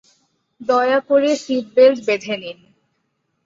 দয়া করে সিটবেল্ট বেঁধে নিন।